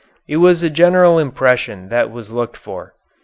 It was the general impression that was looked for.